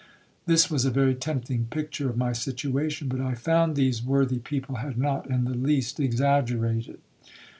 This was a very tempting picture of my situation, but I found these worthy people had not in the least exaggerated.